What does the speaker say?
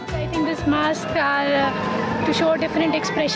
saya pikir topeng ini untuk menunjukkan ekspresi berbagai jenis ekspresi